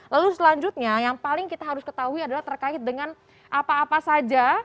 lalu selanjutnya yang paling kita harus ketahui adalah terkait dengan apa apa saja